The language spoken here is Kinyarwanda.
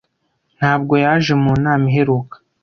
Ntabwo yaje mu nama iheruka.